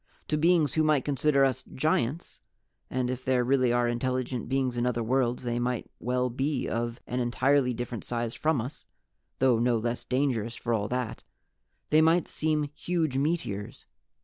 To beings who might consider us giants and if there really are intelligent beings in other worlds they might well be of an entirely different size from us, though no less dangerous for all that they might seem huge meteors.